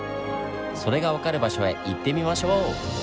それが分かる場所へ行ってみましょう！